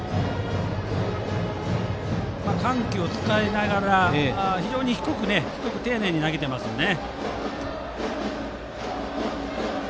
緩急を使いながら非常に低く丁寧に投げていますよね。